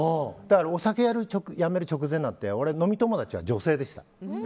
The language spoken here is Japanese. お酒やめる直前なんて俺、飲み友達は女性でした。